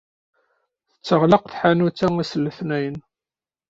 Tetteɣlaq tḥanut-a ass n letnayen.